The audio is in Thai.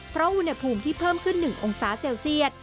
เพราะอุณหภูมิที่เพิ่มขึ้น๑องศาเซลเซียต